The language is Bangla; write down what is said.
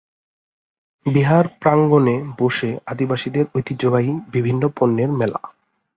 বিহার-প্রাঙ্গনে বসে আদিবাসীদের ঐতিহ্যবাহী বিভিন্ন পণ্যের মেলা।